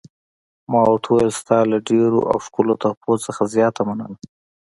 ما ورته وویل: ستا له ډېرو او ښکلو تحفو څخه زیاته مننه.